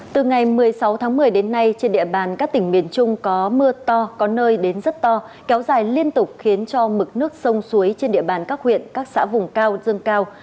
từ ngày một mươi sáu tháng một mươi đến nay trên địa bàn các tỉnh miền trung có mưa to có nơi đến rất to kéo dài liên tục khiến cho mực nước sông suối trên địa bàn các huyện các xã vùng cao dâng cao